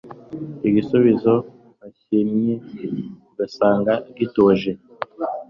igisubizo bashimye ugasanga gituje